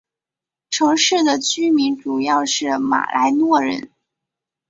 城市的居民主要是马来诺人。